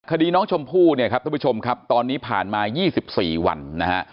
คดีน้องชมพู่เนี่ยครับท่านผู้ชมครับตอนนี้ผ่านมา๒๔วันนะฮะ